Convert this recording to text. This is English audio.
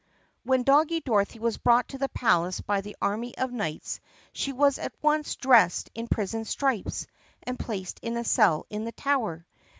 W HEN Doggie Dorothy was brought to the palace by the army of knights she was at once dressed in prison stripes and placed in a cell in the tower.